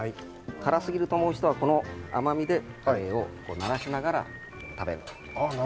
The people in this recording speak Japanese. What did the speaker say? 辛すぎると思う人はこの甘みでカレーを慣らしながら食べると。